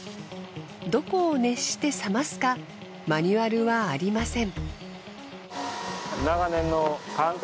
どこを熱して冷ますかマニュアルはありません。